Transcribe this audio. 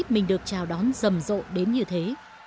mình được chào đón rầm rộ đến như thế